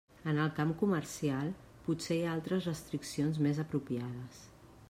En el camp comercial, potser hi ha altres restriccions més apropiades.